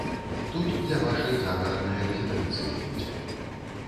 Тут для вашай загараднай рэзідэнцыі будзе.